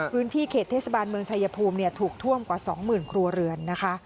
พื้นที่เขตเทศบาลเมืองชายภูมิถูกท่วมกว่า๒๐๐๐ครัวเรือนนะคะ